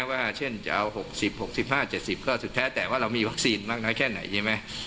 ว่าเช่นจะเอา๖๐๖๕๗๐ก็สุดแท้แต่ว่าเรามีวัคซีนมากน้อยแค่ไหนใช่ไหม